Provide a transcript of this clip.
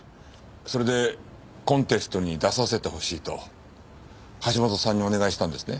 それでコンテストに出させてほしいと橋本さんにお願いしたんですね？